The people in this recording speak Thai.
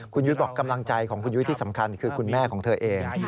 คุณยุ้ยบอกกำลังใจของคุณยุ้ยที่สำคัญคือคุณแม่ของเธอเอง